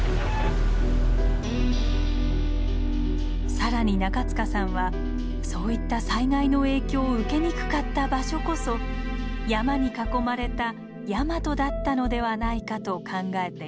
更に中さんはそういった災害の影響を受けにくかった場所こそ山に囲まれたヤマトだったのではないかと考えています。